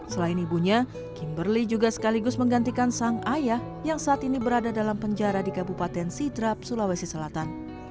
selain ibunya kimberly juga sekaligus menggantikan sang ayah yang saat ini berada dalam penjara di kabupaten sidrap sulawesi selatan